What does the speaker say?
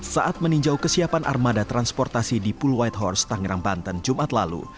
saat meninjau kesiapan armada transportasi di pul white hours tangerang banten jumat lalu